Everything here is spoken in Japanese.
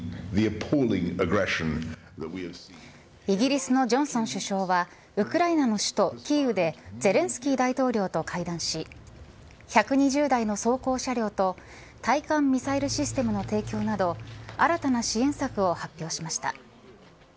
イギリスのジョンソン首相はウクライナの首都キーウでゼレンスキー大統領と会談し１２０台の装甲車両と対艦ミサイルシステムの提供など新たな支援策を発表しました。